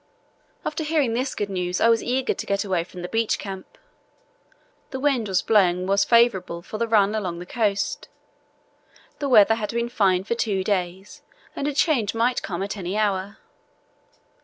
After hearing this good news I was eager to get away from the beach camp. The wind when blowing was favourable for the run along the coast. The weather had been fine for two days and a change might come at any hour.